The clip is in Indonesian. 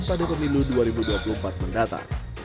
pada pemilu dua ribu dua puluh empat mendatang